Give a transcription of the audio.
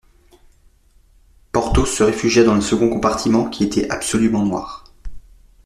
Porthos se réfugia dans le second compartiment qui était absolument noir.